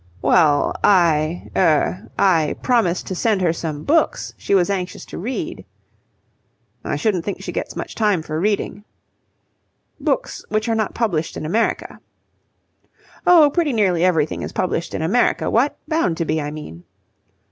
"Well, I er I promised to send her some books she was anxious to read..." "I shouldn't think she gets much time for reading." "Books which are not published in America." "Oh, pretty nearly everything is published in America, what? Bound to be, I mean."